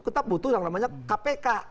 kita butuh yang namanya kpk